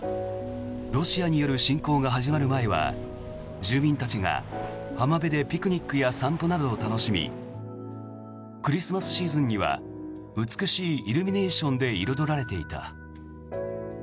ロシアによる侵攻が始まる前は住民たちが浜辺でピクニックや散歩などを楽しみクリスマスシーズンには美しいイルミネーションで彩られていた。